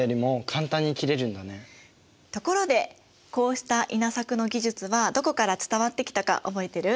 ところでこうした稲作の技術はどこから伝わってきたか覚えてる？